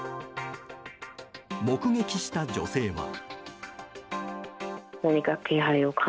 目撃した女性は。